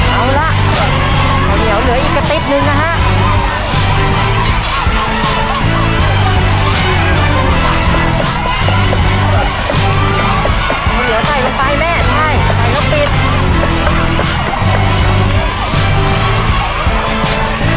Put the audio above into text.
เอาล่ะเดี๋ยวเหลืออีกกระติ๊บนึงนะฮะ